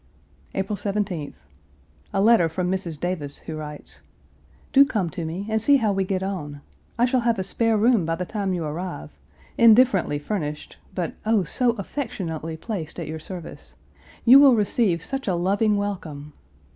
April 17th. A letter from Mrs. Davis, who writes: "Do come to me, and see how we get on. I shall have a spare room by the time you arrive, indifferently furnished, but, oh, so affectionately placed at your service. You will receive such a loving welcome.